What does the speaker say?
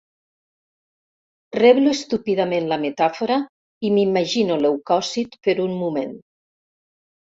Reblo estúpidament la metàfora i m'imagino leucòcit per un moment.